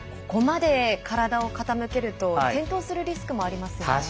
ここまで体を傾けると転倒のリスクもありますよね。